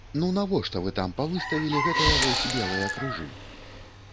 Ну навошта вы там павыставілі гэтыя вось белыя крыжы?